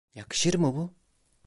Yakışır mı bu?